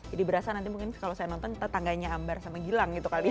jadi berasa nanti mungkin kalau saya nonton tetangganya ambar sama gilang gitu kali ya